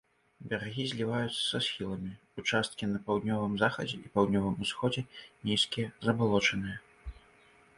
Берагі зліваюцца са схіламі, участкі на паўднёвым захадзе і паўднёвым усходзе нізкія, забалочаныя.